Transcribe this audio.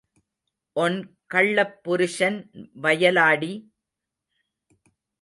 One கள்ளப் புருஷன் வயலாடி?